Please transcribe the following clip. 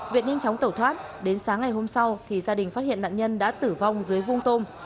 viện ninh chóng tẩu thoát đến sáng ngày hôm sau thì gia đình phát hiện nạn nhân đã tử vong dưới vuông tôm